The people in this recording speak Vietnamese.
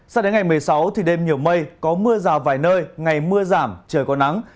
sao đến ngày một mươi sáu thì đêm nhiều mây có mưa rào vài nơi ngày mưa giảm trời có nắng